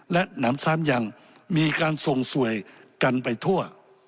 และหนำซ้ำยังมีการส่งสวยกันไปทั่ว